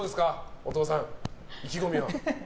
お父さん、意気込みは。